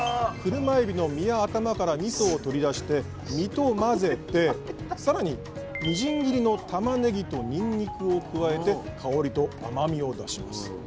クルマエビの身や頭からみそを取り出して身と混ぜて更にみじん切りのたまねぎとにんにくを加えて香りと甘みを出します。